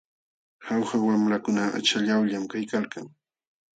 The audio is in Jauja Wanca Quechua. Jauja wamlakuna achallawllam kaykalkan.